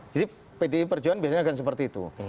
jadi pdi perjuangan biasanya agak seperti itu